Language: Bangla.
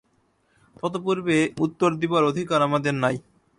তৎপূর্বে উত্তর দিবার অধিকার আমাদের নাই।